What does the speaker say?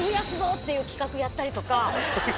っていう企画やったりとか。